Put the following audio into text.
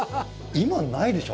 今ないでしょ？